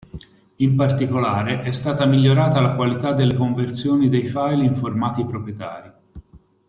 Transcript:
In particolare, è stata migliorata la qualità delle conversioni dei file in formati proprietari.